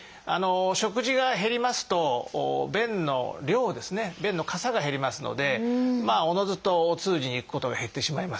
食事が減りますと便の量ですね便のかさが減りますのでおのずとお通じに行くことが減ってしまいます。